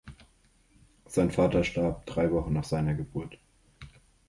Sein Vater starb drei Wochen nach seiner Geburt.